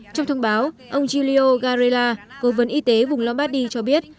trong thông báo ông gilleo garela cố vấn y tế vùng lombardi cho biết